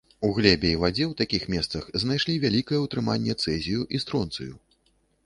У глебе і вадзе ў такіх месцах знайшлі вялікае ўтрыманне цэзію і стронцыю.